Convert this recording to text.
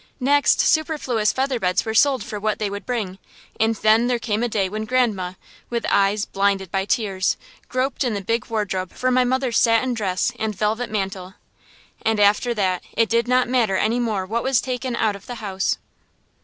Next, superfluous featherbeds were sold for what they would bring, and then there came a day when grandma, with eyes blinded by tears, groped in the big wardrobe for my mother's satin dress and velvet mantle; and after that it did not matter any more what was taken out of the house.